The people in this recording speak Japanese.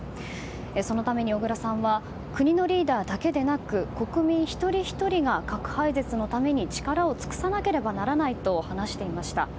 そのために小倉さんは国のリーダーだけでなく国民一人ひとりが核廃絶のために力を尽くさなければならないと話していました。